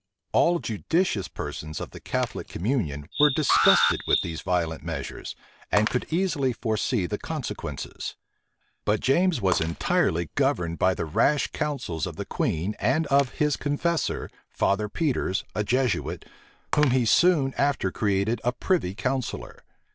All judicious persons of the Catholic communion were disgusted with these violent measures, and could easily foresee the consequences. But James was entirely governed by the rash counsels of the queen and of his confessor, Father Peters, a Jesuit, whom he soon after created a privy counsellor.